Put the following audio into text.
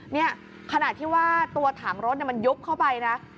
นี่ขนาดที่ว่าตัวถังรถมันยุบเข้าไปนะ